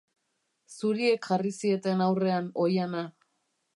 Zuriek jarri zieten aurrean oihana.